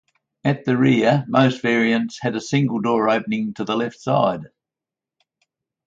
At the rear, most variants had a single door opening to the left side.